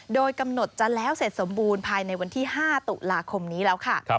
โดยกำหนดจะแล้วเสร็จสมบูรณ์ภายในวันที่๕ตุลาคมนี้แล้วค่ะ